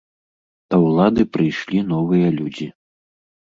Да ўлады прыйшлі новыя людзі.